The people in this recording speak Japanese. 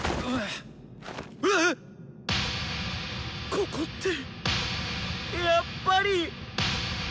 ここってやっぱり。